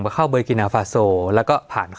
สวัสดีครับทุกผู้ชม